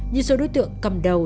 như số đối tượng cầm đầu